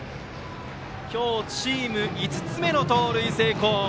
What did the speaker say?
今日、チーム５つ目の盗塁成功。